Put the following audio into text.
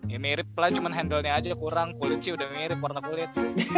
ya mirip lah cuma handle nya aja kurang kulit sih udah mirip warna kulit